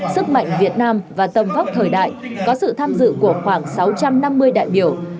sức mạnh việt nam và tầm vóc thời đại có sự tham dự của khoảng sáu trăm năm mươi đại biểu